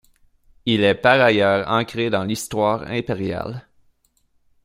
Il est par ailleurs ancré dans l'histoire impériale.